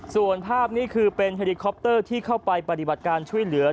ส่วนภาพนี้คือเป็นเฮลิคอปเตอร์ที่เข้าไปปฏิบัติการช่วยเหลือ